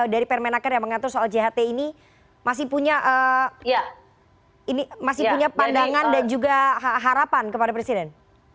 dari permenaker yang mengatur soal jht ini masih punya pandangan dan juga harapan kepada presiden